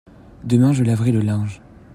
demain je laverai le linge.